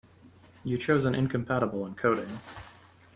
You chose an incompatible encoding.